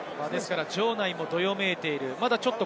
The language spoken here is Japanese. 場内もどよめいている。